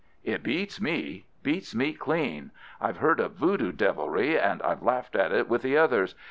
"It beats me—beats me clean. I've heard of Voodoo devilry, and I've laughed at it with the others.